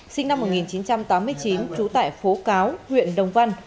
sinh năm một nghìn chín trăm tám mươi chín trú tại phố cáo huyện đồng văn